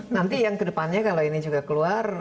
nanti yang kedepannya kalau ini juga keluar